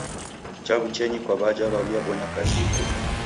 Chaw'uchenyi kwa w'aja w'aw'iabonya kazi iboie.